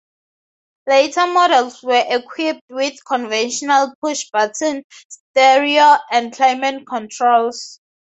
Later models were equipped with conventional push button stereo and climate controls.